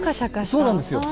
そうなんですよ。